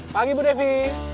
pagi bu devi